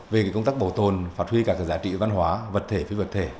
về cái công tác bảo tồn phát huy cả cái giá trị văn hóa vật thể phía vật thể